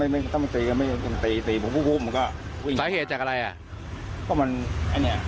ผมก็เลยบอกให้มันถอย